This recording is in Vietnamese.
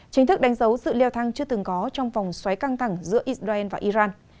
chính thức đánh dấu sự leo thang chưa từng có trong vòng xoáy căng thẳng giữa israel và iran